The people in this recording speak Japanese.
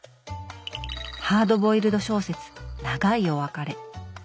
ハードボイルド小説「長いお別れ」